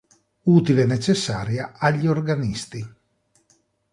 Utile e necessaria à gli Organisti”.